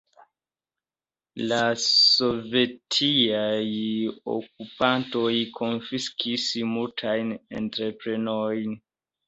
La sovetiaj okupantoj konfiskis multajn entreprenojn.